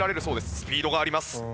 スピードがあります。